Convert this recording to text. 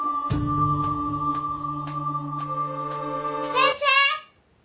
・先生！